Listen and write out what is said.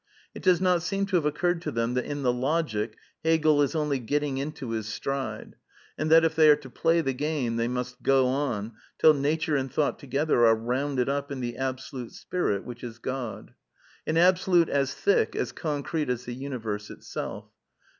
It does not seem to have occurred to them that in the Logic Hegel is only getting into his stride, and that, if they are to play the game, they must go on till Nature and Thought together are rounded up in the Absolute Spirit which is God. An Absolute as thick, as . concrete as the universe itself.